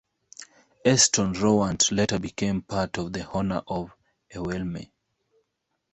Aston Rowant later became part of the Honour of Ewelme.